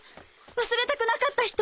忘れたくなかった人！